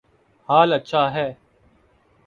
حال اچھا ہے